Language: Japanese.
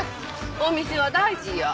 お店は大事や。